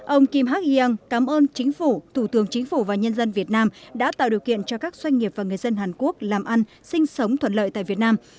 ông kim hạc yanng cảm ơn chính phủ thủ tướng chính phủ và nhân dân việt nam đã tạo điều kiện cho các doanh nghiệp và người dân hàn quốc làm ăn sinh sống thuận lợi tại việt nam